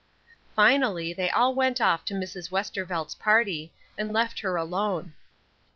Finally, they all went off to Mrs. Westervelt's party, and left her alone.